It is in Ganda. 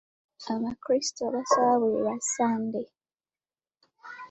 Abakrisito basaba buli lwa Sande.